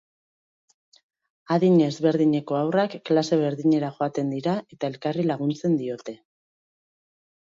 Adin ezberdineko haurrak klase berdinera joaten dira eta elkarri laguntzen diote.